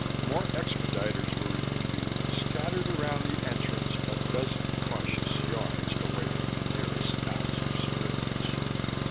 More expediters were in view, scattered around the entrance, a dozen, cautious yards away from the nearest knots of civilians.